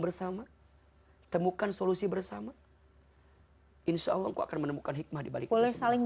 bersama temukan solusi bersama hai insya allah aku akan menemukan hikmah dibalik boleh saling